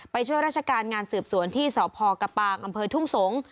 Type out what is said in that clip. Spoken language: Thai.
ช่วยราชการงานสืบสวนที่สพกระปางอำเภอทุ่งสงศ์